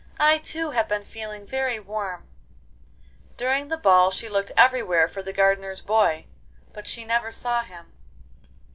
'I, too, have been feeling very warm.' During the ball she looked everywhere for the gardener's boy, but she never saw him.